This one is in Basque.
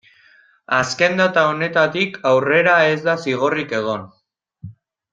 Azken data honetatik aurrera ez da zigorrik egon.